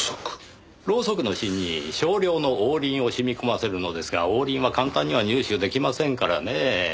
ろうそくの芯に少量の黄リンを染み込ませるのですが黄リンは簡単には入手できませんからねぇ。